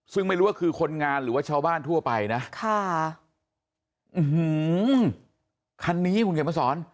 ซึ่งไม่รู้ว่าคือคนงานหรือว่าชาวบ้านทั่วไปนะค่ะคันนี้คุณเขียนมาสอน